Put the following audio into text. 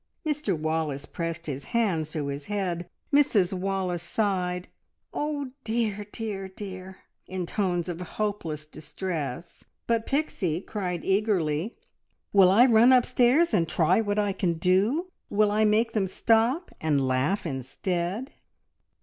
Mr Wallace pressed his hands to his head, Mrs Wallace sighed, "Oh dear, dear, dear!" in tones of hopeless distress, but Pixie cried eagerly "Will I run upstairs and try what I can do? Will I make them stop, and laugh instead?"